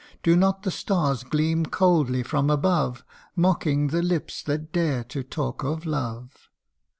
Do not the stars gleam coldly from above, Mocking the lips that dare to talk of love